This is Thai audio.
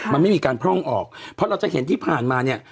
มันไม่มีการพร่องออกเพราะเราจะเห็นที่ผ่านมาเนี่ย